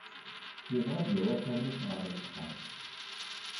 Yebɣa ad d-yawi akanic ar wexxam.